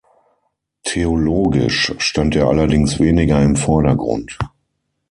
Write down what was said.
Theologisch stand er allerdings weniger im Vordergrund.